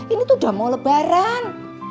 ini tuh udah mau lebaran